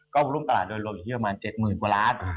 ก็รุ่นตลาดโดนรวมอยู่ที่ประมาณ๗หมื่นกว่าล้าน